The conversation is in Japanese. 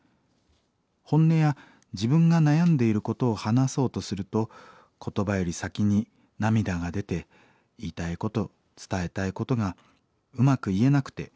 本音や自分が悩んでいることを話そうとすると言葉より先に涙が出て言いたいこと伝えたいことがうまく言えなくて。